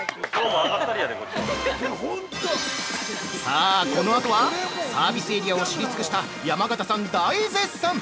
◆さあ、このあとは、サービスエリアを知り尽くした山形さん大絶賛！